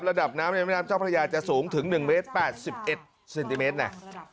ระดับน้ำในแม่น้ำเจ้าพระยาจะสูงถึงหนึ่งเมตรแปดสิบเอ็ดเซนติเมตรน่ะ